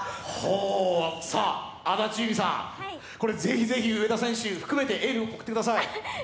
安達祐実さん、ぜひぜひ上田選手含めてエールを送ってください。